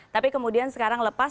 tapi kemudian sekarang lepas